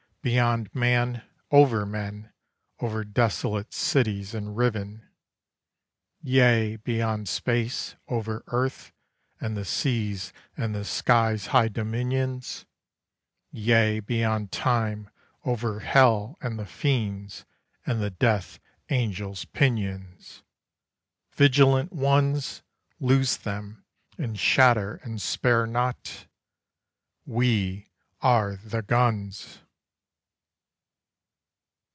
beyond man, over men, over desolate cities and riven; Yea! beyond space, over earth and the seas and the sky's high dominions; Yea! beyond time, over Hell and the fiends and the Death Angel's pinions! Vigilant ones, Loose them, and shatter, and spare not. We are the guns!